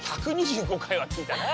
１２５回はきいたな。